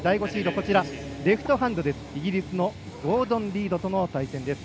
レフトハンド、イギリスのゴードン・リードとの対戦。